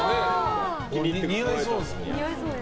似合いそうですね。